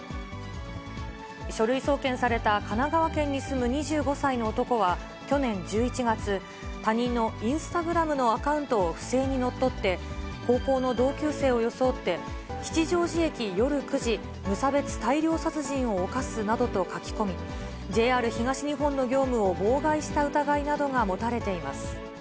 書類送検された神奈川県に住む２５歳の男は、去年１１月、他人のインスタグラムのアカウントを不正に乗っ取って、高校の同級生を装って、吉祥寺駅夜９時、無差別大量殺人をおかすなどと書き込み、ＪＲ東日本の業務を妨害した疑いなどが持たれています。